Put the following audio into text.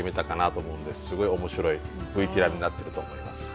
すごい面白いＶＴＲになってると思います。